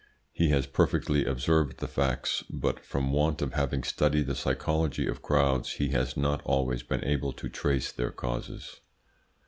He has perfectly observed the facts, but from want of having studied the psychology of crowds he has not always been able to trace their causes.